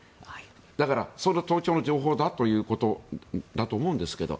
だから、その盗聴の情報だということだと思うんですけど。